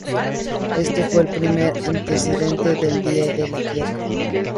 Este fue el primer antecedente del Día de la Tierra.